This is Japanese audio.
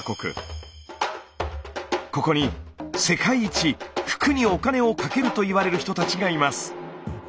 ここに世界一服にお金をかけるといわれる人たちがいます。